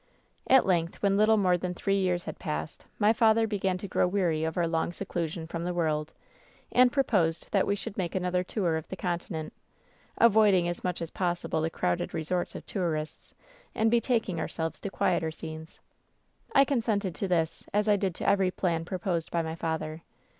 "At length, when little more than three years had passed, my father began to grow weary of our long se clusion from the world, and proposed that we should make another tour of the Continent — avoiding as much as possible the crowded resorts of tourists and betaking ourselves to quieter scenes. "I consented to this, as I did to every plan proposed by my father.